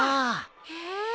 へえ。